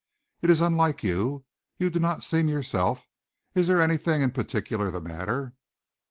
"It is unlike you. You do not seem yourself. Is there anything in particular the matter?"